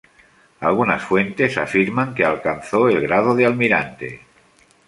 Algunas fuentes afirman que alcanzó el grado de almirante.